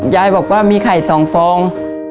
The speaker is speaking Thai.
ยายบอกว่ามีไข่๒ฟอง